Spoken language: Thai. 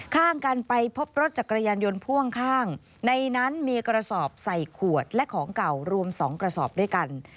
ข้างกันไปพบรถจักรยานยนต์พ่วงข้างในนั้นมีกระสอบใส่ขวดและของเก่ารวม๒กระสอบด้วยกัน